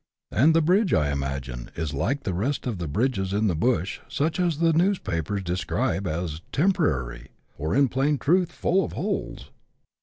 " And the bridge, I imagine, is like the rest of the bridges in the bush, such as the newspapers describe as ' temporary,' or, in plain truth, full of holes."